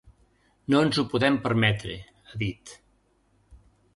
No ens ho podem permetre, ha dit.